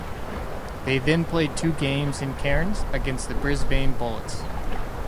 They then played two games in Cairns against the Brisbane Bullets.